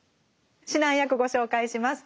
指南役ご紹介します。